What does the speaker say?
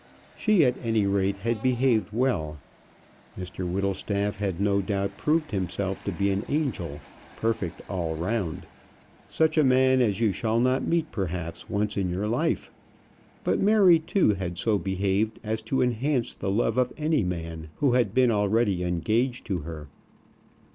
She, at any rate, had behaved well. Mr Whittlestaff had no doubt proved himself to be an angel, perfect all round, such a man as you shall not meet perhaps once in your life. But Mary, too, had so behaved as to enhance the love of any man who had been already engaged to her.